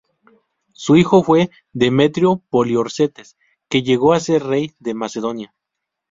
Su hijo fue Demetrio Poliorcetes, que llegó a ser rey de Macedonia.